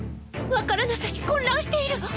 分からなさに混乱しているわ！